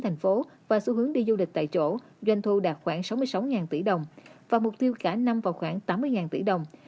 thành phố và xu hướng đi du lịch tại chỗ doanh thu đạt khoảng sáu mươi sáu tỷ đồng và mục tiêu cả năm vào khoảng tám mươi tỷ đồng